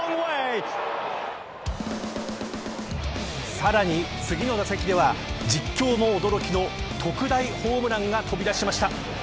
さらに次の打席では実況も驚きの特大ホームランが飛び出しました。